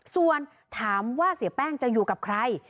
ส่วนถามว่าเสียแป้งจะอยู่กับใคร